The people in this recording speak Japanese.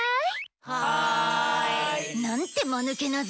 ハイ！なんてまぬけな図。